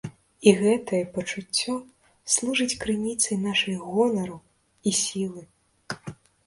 І гэтае пачуццё служыць крыніцай нашай гонару і сілы.